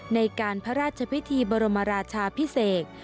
ในการพระราชพิธีบรมราชาพิเศษ